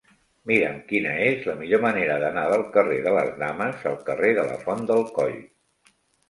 Mira'm quina és la millor manera d'anar del carrer de les Dames al carrer de la Font del Coll.